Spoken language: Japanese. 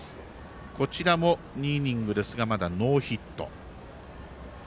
こちらも、２イニングですがまだノーヒット。